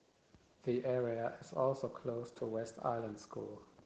The area is also close to West Island School.